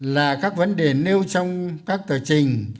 là các vấn đề nêu trong các tờ trình